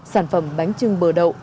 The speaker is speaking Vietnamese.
sản phẩm bánh chưng bờ đậu